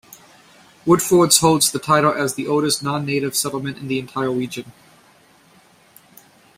Woodfords holds title as the oldest non-native settlement in the entire region.